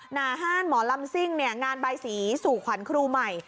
หน้าห้านหมอลำซิ่งงานบายสีสู่ขวัญครูใหม่